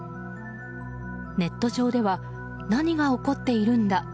ネット上では何が起こっているんだ？